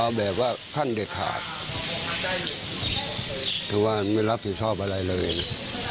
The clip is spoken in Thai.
แบบว่าท่านเด็ดขาดคือว่าไม่รับผิดชอบอะไรเลย